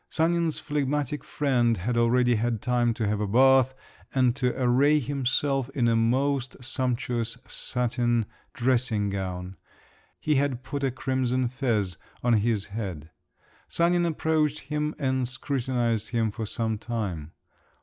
Sanin's phlegmatic friend had already had time to have a bath and to array himself in a most sumptuous satin dressing gown; he had put a crimson fez on his head. Sanin approached him and scrutinised him for some time.